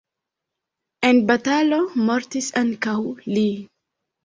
En batalo mortis ankaŭ li.